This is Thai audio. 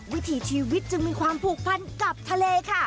วิถีชีวิตจึงมีความผูกพันกับทะเลค่ะ